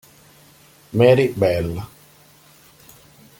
Mary Bell